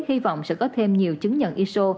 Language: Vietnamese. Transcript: hy vọng sẽ có thêm nhiều chứng nhận iso